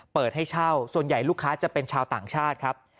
เปิดให้เช่าส่วนใหญ่ลูกค้าจะเป็นชาวต่างชาติครับ